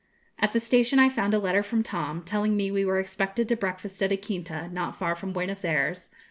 At the station I found a letter from Tom, telling me we were expected to breakfast at a quinta, not far from Buenos Ayres.